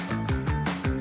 takut diam aja